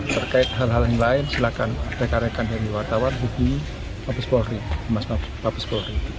terkait hal hal lain lain silakan reka rekan dari wartawan bukti mabes polri